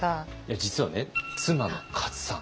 実はね妻のカツさん。